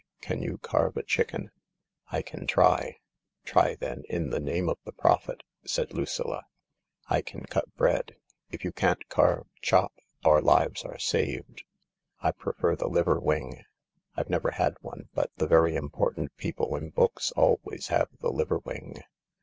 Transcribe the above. Can you carve a chicken ?"" I can try," "Try, then, in the name of the Prophet !" said Lucilla. " I can cut bread. If you can't carve, chop ; our lives are saved. I prefer the liver wing. I've never had one, but the important people in books always have the liver wing.